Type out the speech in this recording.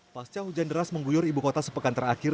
pada saat hujan deras mengguyur ibu kota sepekan terakhir